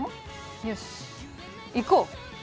よし行こう